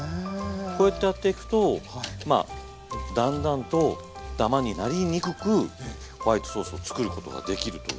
こうやってやっていくとまあだんだんとダマになりにくくホワイトソースを作ることができるという。